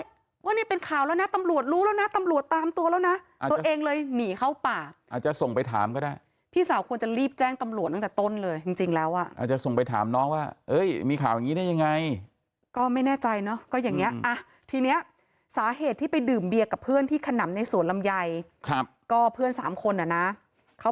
ว่านี่เป็นข่าวแล้วนะตำรวจรู้แล้วนะตำรวจตามตัวแล้วนะตัวเองเลยหนีเข้าป่าอาจจะส่งไปถามก็ได้พี่สาวควรจะรีบแจ้งตำรวจตั้งแต่ต้นเลยจริงจริงแล้วอ่ะอาจจะส่งไปถามน้องว่าเอ้ยมีข่าวอย่างงี้ได้ยังไงก็ไม่แน่ใจเนอะก็อย่างเงี้อ่ะทีเนี้ยสาเหตุที่ไปดื่มเบียร์กับเพื่อนที่ขนำในสวนลำไยครับก็เพื่อนสามคนอ่ะนะเขา